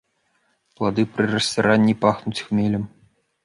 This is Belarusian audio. Плады пры расціранні пахнуць хмелем.